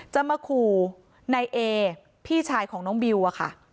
จะมาขู่นายเอพี่ชายของน้องบิวอะค่ะ